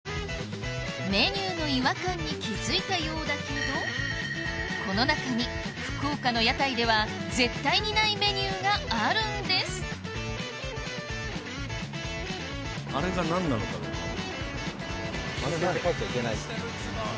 メニューの違和感に気付いたようだけどこの中に福岡の屋台では絶対にないメニューがあるんですあれが何なのかだよね。